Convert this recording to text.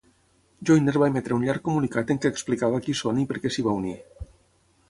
Joyner va emetre un llarg comunitat en què explicava qui són i per què s'hi va unir.